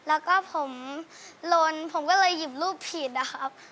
แล้วก็ผมลนผมก็เลยหยิบรูปผิดนะครับ